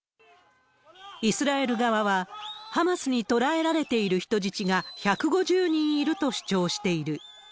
イスラエル側は、ハマスに捕らえられている人質が１５０人いると主張している。